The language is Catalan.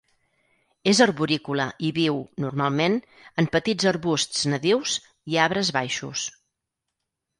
És arborícola i viu, normalment, en petits arbusts nadius i arbres baixos.